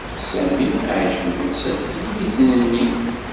Sami ɛejben-as akk yiniten-nni.